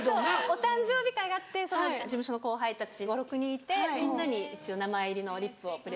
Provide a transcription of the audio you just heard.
お誕生日会があって事務所の後輩たち５６人いてみんなに名前入りのリップをプレゼント。